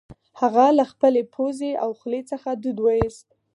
هغه له خپلې پوزې او خولې څخه دود وایوست